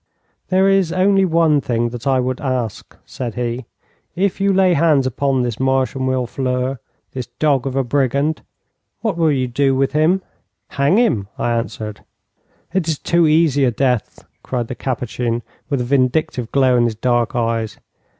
'There is only one thing that I would ask,' said he. 'If you lay hands upon this Marshal Millefleurs this dog of a brigand what will you do with him?' 'Hang him,' I answered. 'It is too easy a death,' cried the Capuchin, with a vindictive glow in his dark eyes.